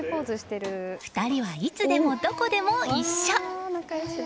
２人はいつでもどこでも一緒！